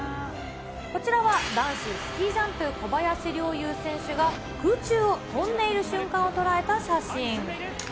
こちらはジャンプスキージャンプ、小林陵侑選手が、空中を飛んでいる瞬間を捉えた写真。